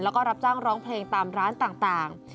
แล้วก็รับจ้างร้องเพลงตามร้านต่าง